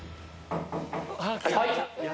はい。